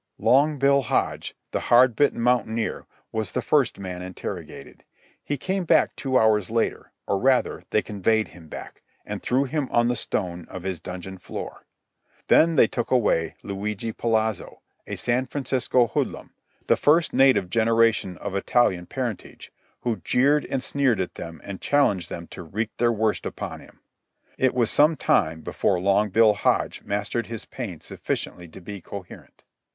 Long Bill Hodge, the hard bitten mountaineer, was the first man interrogated. He came back two hours later—or, rather, they conveyed him back, and threw him on the stone of his dungeon floor. They then took away Luigi Polazzo, a San Francisco hoodlum, the first native generation of Italian parentage, who jeered and sneered at them and challenged them to wreak their worst upon him. It was some time before Long Bill Hodge mastered his pain sufficiently to be coherent.